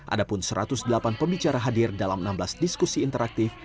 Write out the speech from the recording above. ada pun satu ratus delapan pembicara hadir dalam enam belas diskusi interaktif